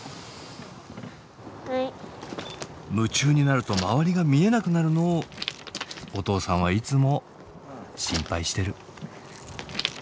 夢中になると周りが見えなくなるのをお父さんはいつも心配してる。